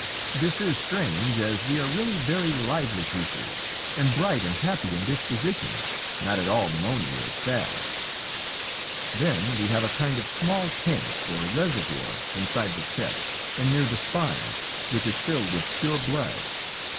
This is strange, as we are really very lively creatures, and bright and happy in disposition, not at all moany or sad. Then we have a kind of small tank or reservoir inside the chest and near the spine which is filled with pure blood.